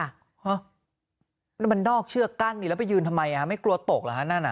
ฮะแล้วมันนอกเชือกกั้นนี่แล้วไปยืนทำไมไม่กลัวตกเหรอฮะนั่นอ่ะ